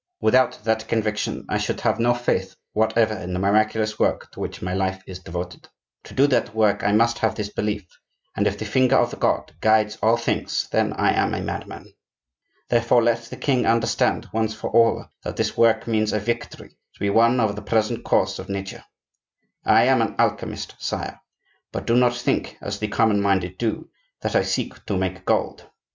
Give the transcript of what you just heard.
"Without that conviction I should have no faith whatever in the miraculous work to which my life is devoted. To do that work I must have this belief; and if the finger of God guides all things, then—I am a madman. Therefore, let the king understand, once for all, that this work means a victory to be won over the present course of Nature. I am an alchemist, sire. But do not think, as the common minded do, that I seek to make gold.